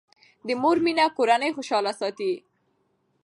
د مور مینه کورنۍ خوشاله ساتي.